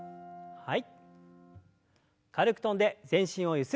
はい。